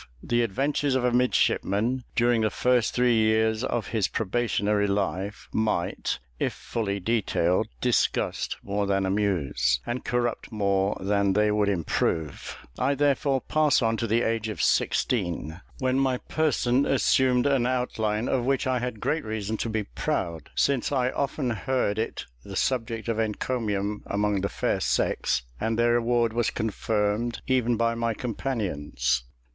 The adventures of a midshipman, during the first three years of his probationary life, might, if fully detailed, disgust more than amuse, and corrupt more than they would improve; I therefore pass on to the age of sixteen, when my person assumed an outline of which I had great reason to be proud, since I often heard it the subject of encomium among the fair sex, and their award was confirmed even by my companions.